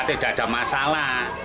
tidak ada masalah